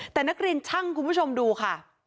แต่นักเรียนช่างคุณผู้ชมดูค่ะ